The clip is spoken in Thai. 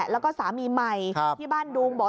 แล้วก็สามีใหม่ที่บ้านดุงบอก